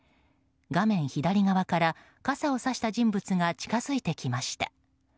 画面左側から傘をさした人物が近づいてきました。